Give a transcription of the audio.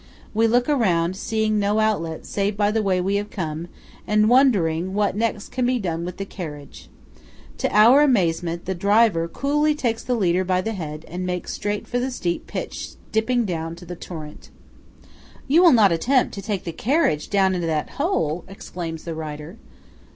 We look around, seeing no outlet, save by the way we have come, and wondering what next can be done with the carriage. To our amazement, the driver coolly takes the leader by the head and makes straight for the steep pitch dipping down to the torrent. "You will not attempt to take the carriage down into that hole!" exclaims the writer.